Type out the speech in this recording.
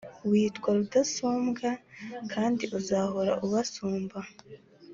witwa rudasumbwa kandi uzahora ubasumba